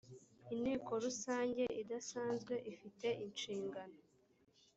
inteko rusange idasanzwe ifite inshingano